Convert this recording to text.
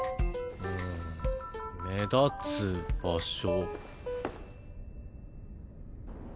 んん目立つ場所。